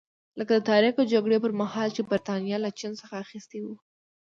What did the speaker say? لکه د تریاکو جګړې پرمهال چې برېټانیا له چین څخه اخیستي وو.